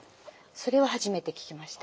それは初めて聞きました。